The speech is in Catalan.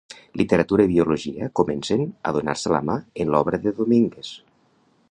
Literatura i biologia comencen a donar-se la mà en l'obra de Domínguez.